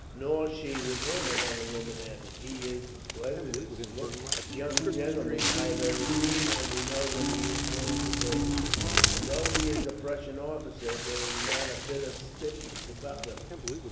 "Nor she with him," another woman added. "He is the pleasantest looking young gentleman I have ever seen, and we know that he is one of the bravest; and though he is a Prussian officer, there is not a bit of stiffness about him.